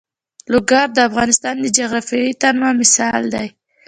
لوگر د افغانستان د جغرافیوي تنوع مثال دی.